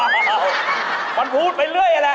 มันพูดไปเรื่อยเลย